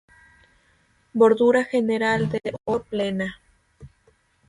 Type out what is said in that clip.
Bordura general de oro, plena.